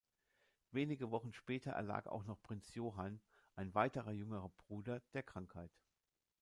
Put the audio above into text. Wenige Wochen später erlag auch noch Prinz Johann, ein weiterer jüngerer Bruder, der Krankheit.